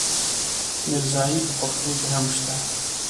ميرزايي په پښتو کې هم شته.